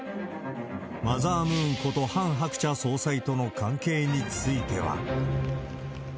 マザームーンことハン・ハクチャ総裁との関係については。